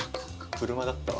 車だったわ。